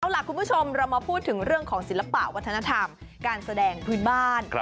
เอาล่ะคุณผู้ชมเรามาพูดถึงเรื่องของศิลปะวัฒนธรรมการแสดงพื้นบ้าน